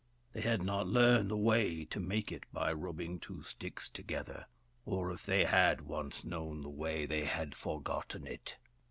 They had not learned the way to make it by rubbing two sticks together ; or if they had once known the way, they had forgotten it.